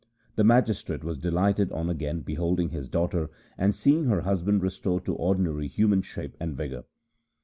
The magistrate was delighted on again beholding his daughter and seeing her husband restored to ordinary human shape and vigour.